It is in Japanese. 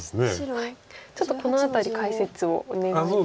ちょっとこの辺り解説をお願いいたします。